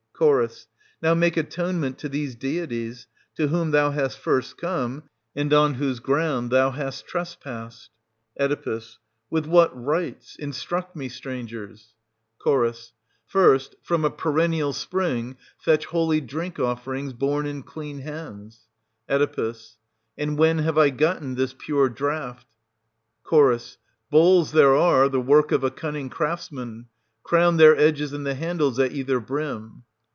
Ch. Now make atonement to these deities, to whom thou hast first come, and on whose ground thou hast trespassed. Oe. With what rites } instruct me, strangers. 78 SOPHOCLES. [469—490 Ch. First, from a perennial spring fetch holy drink 470 offerings, borne in clean hands. Oe. And when I have gotten this pure draught ? Ch. Bowls there are, the work of a cunning crafts man : crown their edges and the handles at either brim.